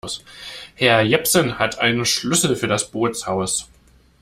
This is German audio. Herr Jepsen hat einen Schlüssel für das Bootshaus.